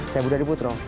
saya budi adiputro